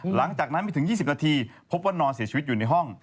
หลังจากนั้นไม่ถึง๒๐นาทีพบว่านอนเสียชีวิตอยู่ในห้อง